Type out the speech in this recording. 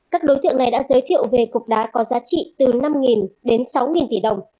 các đối tượng này đã giới thiệu về cục đá có giá trị từ năm đến sáu tỷ đồng